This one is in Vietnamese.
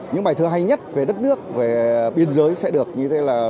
những bài thơ hay nhất về đất nước về biên giới sẽ được vang lên trên sân thơ này